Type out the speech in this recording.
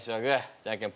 じゃんけんぽい。